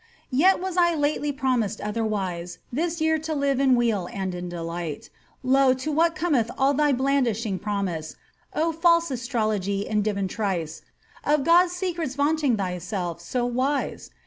Yet was I lately promised otherwise This year to live in weal and in delight, Lo, to what oometh aU thy blandishing promisa, O &lse astrology and divinitrice, Of God's secrets vaunting thyself so wise